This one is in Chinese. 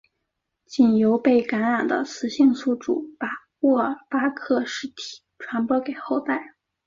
仅由被感染的雌性宿主把沃尔巴克氏体传播给后代。